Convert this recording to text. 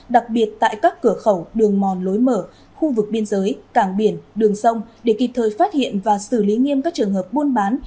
đặc biệt tại các cửa khẩu đường mòn lối mở khu vực biên giới cảng biển đường sông để kịp thời phát hiện và xử lý nghiêm các trường hợp buôn bán